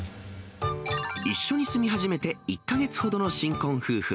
一緒に住み始めて１か月ほどの新婚夫婦。